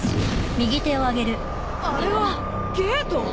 あれはゲート！？